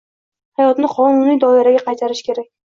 Hayotni qonuniy doiraga qaytarish kerak.